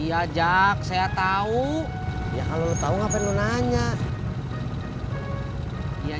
yang juga ya tahu kalau apaan informatik hai saya nggak tahu ojak